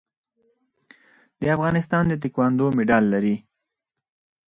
د افغانستان تکواندو مډال لري